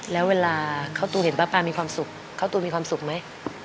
แล้วเวลาข้าวตูนเห็นป้ามีความสุขข้าวตูนมีความสุขไหม